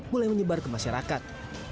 mulai menyebar ke masyarakat